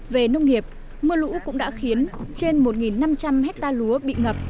về nông nghiệp mưa lũ cũng đã khiến trên một năm trăm linh hectare lúa bị ngập